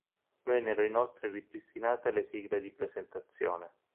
Vennero inoltre ripristinate le sigle di presentazione.